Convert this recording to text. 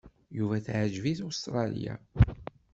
Yuba teɛǧeb-it Ustṛalya.